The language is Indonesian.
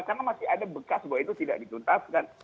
karena masih ada bekas bahwa itu tidak dituntaskan